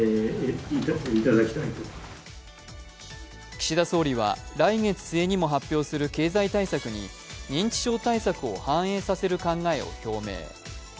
岸田総理は来月末にも発表する経済対策に認知症対策を反映させる考えを表明。